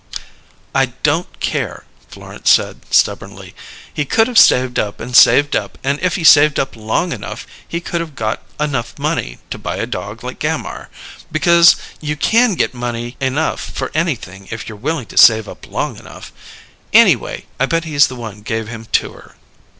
"I don't care," Florence said stubbornly. "He could of saved up and saved up, and if he saved up long enough he could of got enough money to buy a dog like Gammire, because you can get money enough for anything if you're willing to save up long enough. Anyway, I bet he's the one gave him to her."